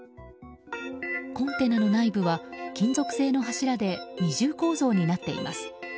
コンテナの内部は金属製の柱で二重構造になっています。